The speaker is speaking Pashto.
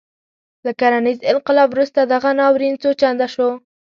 له کرنیز انقلاب وروسته دغه ناورین څو چنده شو.